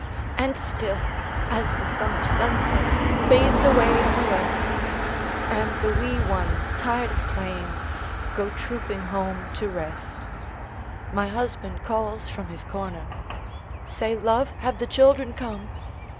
And still, as the summer sunset Fades away in the west, And the wee ones, tired of playing, Go trooping home to rest, My husband calls from his corner, "Say, love, have the children come?"